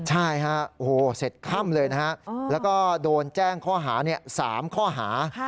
ใช่ฮะโอ้โหเสร็จค่ำเลยนะฮะแล้วก็โดนแจ้งข้อหา๓ข้อหา